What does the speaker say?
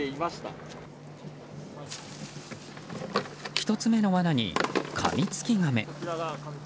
１つ目のわなにカミツキガメ。